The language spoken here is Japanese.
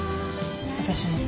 私も。